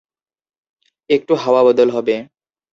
একটু হাওয়া বদল হবে।